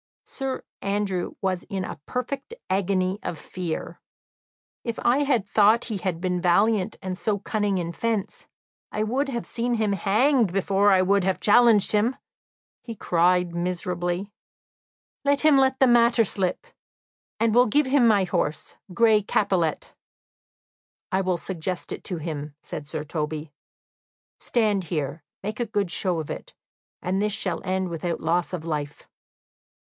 Sir Andrew was in a perfect agony of fear. "If I thought he had been valiant and so cunning in fence, I would have seen him hanged before I would have challenged him!" he cried miserably. "Let him let the matter slip, and will give him my horse, Gray Capilet." "I will suggest it to him," said Sir Toby. "Stand here, make a good show of it; this shall end without loss of life."